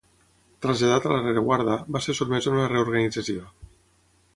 Traslladat a la rereguarda, va ser sotmès a una reorganització.